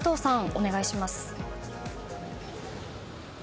お願いします。